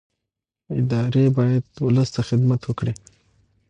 ادارې باید ولس ته خدمت وکړي